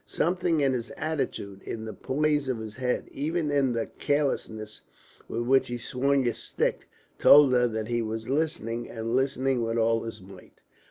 Something in his attitude, in the poise of his head, even in the carelessness with which he swung his stick, told her that he was listening, and listening with all his might.